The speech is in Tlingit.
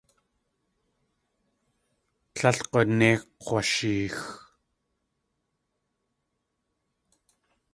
Tlél g̲unéi kg̲washeex.